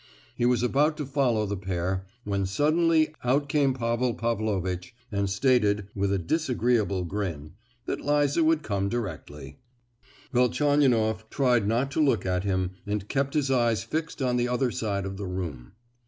He was about to follow the pair, when suddenly out came Pavel Pavlovitch, and stated—with a disagreeable grin—that Liza would come directly. Velchaninoff tried not to look at him and kept his eyes fixed on the other side of the room.